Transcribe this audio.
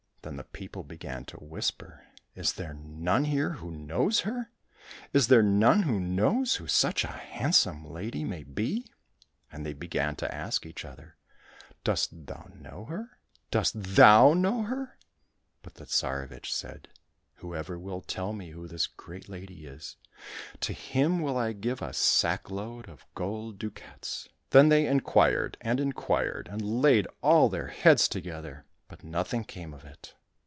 Then the people began to whisper, " Is there none here who knows her ? Is there none who knows who such a handsome lady may be !" And they began to ask each other, " Dost thou know her } Dost thou know her ?"— But the Tsarevich said, " Whoever will tell me who this great lady is, to him will I give a sack load of gold ducats !"— Then they inquired and in quired, and laid all their heads together, but nothing came of it.